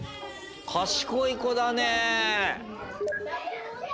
賢い子だね。